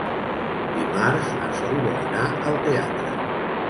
Dimarts na Sol vol anar al teatre.